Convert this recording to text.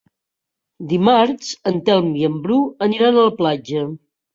Dimarts en Telm i en Bru aniran a la platja.